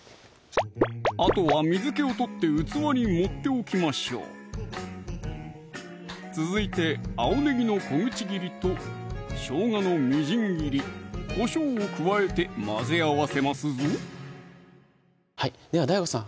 あとは水気を取って器に盛っておきましょう続いて青ねぎの小口切りとしょうがのみじん切り・こしょうを加えて混ぜ合わせますぞではＤＡＩＧＯさん